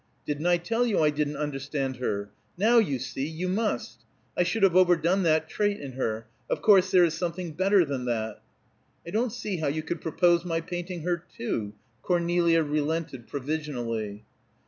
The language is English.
"Didn't I tell you I didn't understand her? Now, you see, you must. I should have overdone that trait in her. Of course there is something better than that." "I don't see how you could propose my painting her, too," Cornelia relented, provisionally.